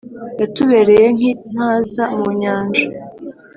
Yatubereye nk’intaza mu Nyanja